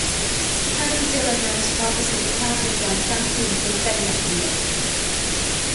ถ้าพิจารณาเฉพาะประสิทธิภาพในการสร้างภูมิคุ้มกันอย่างเดียว